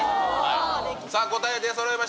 答え出そろいました。